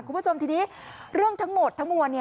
คุณผู้ชมทีนี้เรื่องทั้งหมดทั้งมวล